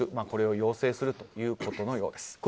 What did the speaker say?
これを要請するということのようです。